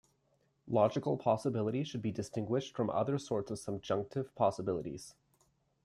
Logical possibility should be distinguished from other sorts of subjunctive possibilities.